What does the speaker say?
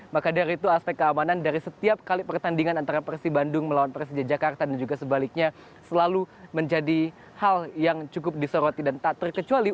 maka dari itu aspek keamanan dari setiap kali pertandingan antara persi bandung melawan persija jakarta dan juga sebaliknya selalu menjadi hal yang cukup disoroti dan tak terkecuali